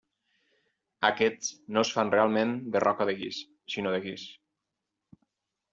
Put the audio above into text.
Aquests no es fan realment de roca de guix, sinó de guix.